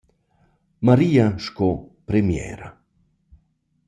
Maria sco premiera.